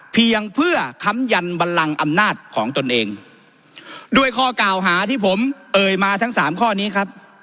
เพียงเพื่อค้ำยันบันลังอำนาจของตนเองด้วยข้อกล่าวหาที่ผมเอ่ยมาทั้งสามข้อนี้ครับ